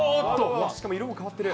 しかも色も変わってる。